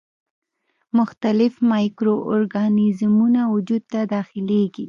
مختلف مایکرو ارګانیزمونه وجود ته داخليږي.